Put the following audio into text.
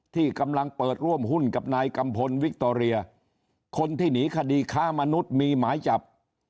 ที่กำลังเปิดร่วมหุ้นกับนายกัมพลวิคโตเรียคนที่หนีคดีค้ามนุษย์มีหมายจับ